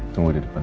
tunggu di depan